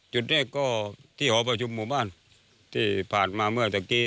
จุดแรกก็ที่หอประชุมหมู่บ้านที่ผ่านมาเมื่อตะกี้